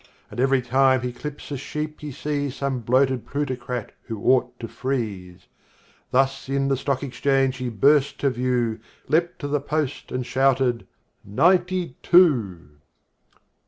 (And every time he clips a sheep he sees Some bloated plutocrat who ought to freeze), Thus in the Stock Exchange he burst to view, Leaped to the post, and shouted, "Ninety two!"